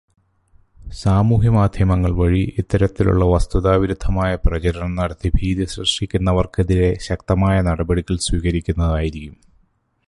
സാമൂഹ്യമാധ്യമങ്ങൾ വഴി ഇത്തരത്തിലുള്ള വസ്തുതാ വിരുദ്ധമായ പ്രചരണം നടത്തി ഭീതി സൃഷ്ടിക്കുന്നവർക്കെതിരെ ശക്തമായ നിയമനടപടികൾ സ്വീകരിക്കുന്നതായിരിക്കും.